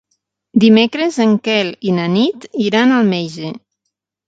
Dimecres en Quel i na Nit iran al metge.